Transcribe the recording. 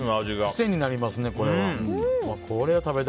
癖になりますね、これは。